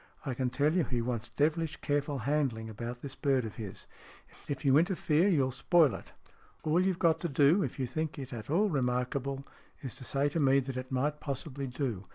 I can tell you he wants devilish careful handling about this bird of his. If you interfere, you'll spoil it. All you've got to do, if you think it at all remarkable, is to say to me that it might possibly do.